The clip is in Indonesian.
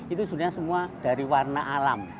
itu sebenarnya semua dari warna alam